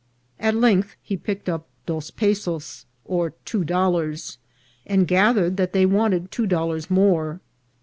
At length he picked up dos pesos, or two dollars, and gathered that they wanted two dollars more.